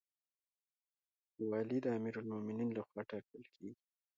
والی د امیرالمؤمنین لخوا ټاکل کیږي